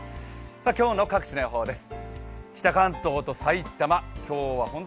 今日の各地の予報です。